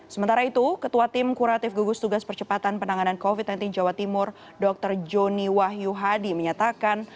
sementara itu ketua tim kuratif gugus tugas percepatan penanganan covid sembilan belas jawa timur dr joni wahyu hadi menyatakan